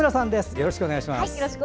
よろしくお願いします。